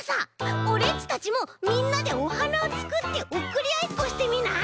オレっちたちもみんなでおはなをつくっておくりあいっこしてみない？